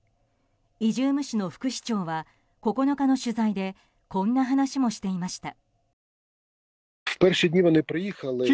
イジューム市の副市長は９日の取材でこんな話もしていました。